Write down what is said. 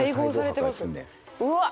うわっ！